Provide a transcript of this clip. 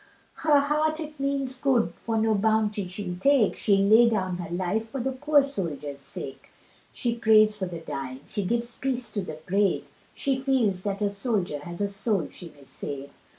Her heart it means good for no bounty she'll take, She'd lay down her life for the poor soldier's sake, She prays for the dying, she gives peace to the brave, She feels that a soldier has a soul she may save.